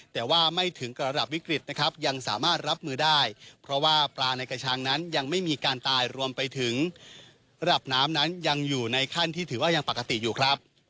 แต่ว่าไม่ถึงกับระดับวิกฤตนะครับยังสามารถรับมือได้เพราะว่าปลาในกระชังนั้นยังไม่มีการตายรวมไปถึงระดับน้ำนั้นยังอยู่ในขั้นที่ถือว่ายังปกติอยู่ครับ